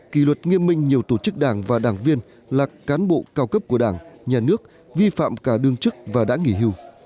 kỳ luật nghiêm minh nhiều tổ chức đảng và đảng viên là cán bộ cao cấp của đảng nhà nước vi phạm cả đương chức và đã nghỉ hưu